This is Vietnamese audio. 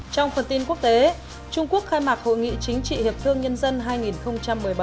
trong phần tin quốc tế trung quốc khai mạc hội nghị chính trị hiệp thương nhân dân hai nghìn một mươi bảy